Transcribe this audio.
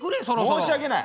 申し訳ない。